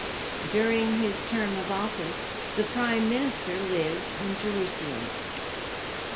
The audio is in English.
During his term of office, the prime minister lives in Jerusalem.